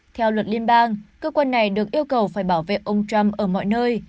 theo luật liên bang cơ quan này được yêu cầu phải bảo vệ ông trump ở mọi nơi